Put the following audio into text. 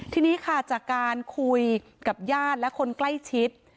ทีนี้ค่ะจากการคุยกับญาติและคนใกล้ชิด